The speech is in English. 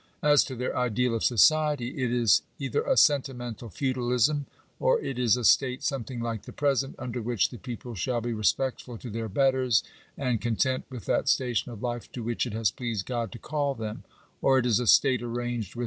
As to their ideal of society, it is either a sentimental feudalism ; or it is a state, something like the present, under which the people shall be respectful to their betters, and " content with that station of life to which it has pleased God to call them ;" or it is a state arranged with z 2 Digitized by VjOOQIC 340 NATIONAL EDUCATION.